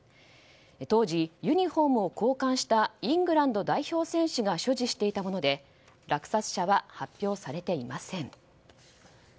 当時、ユニホームを交換したイングランド代表選手が所持していたもので落札者は発表されていません。